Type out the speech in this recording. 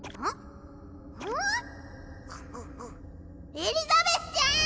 エリザベスちゃん！